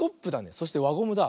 そしてわゴムだ。